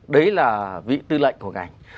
đấy là vị tư lệnh của ngành